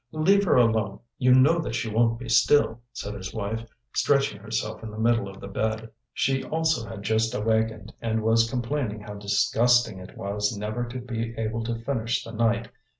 "Leave her alone; you know that she won't be still," said his wife, stretching herself in the middle of the bed. She also had just awakened and was complaining how disgusting it was never to be able to finish the night.